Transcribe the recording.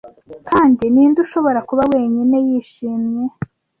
Kandi ninde ushobora kuba wenyine yishimye,